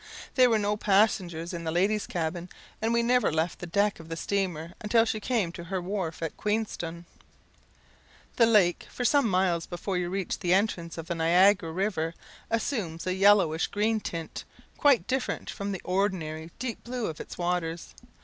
There were no passengers in the ladies' cabin, and we never left the deck of the steamer until she came to her wharf at Queenstone. The lake for some miles before you reach the entrance of the Niagara river assumes a yellowish green tint, quite different from the ordinary deep blue of its waters.